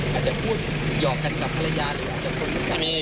อาจจะพูดหยอกกันกับภรรยาหรืออาจจะพูดแบบนี้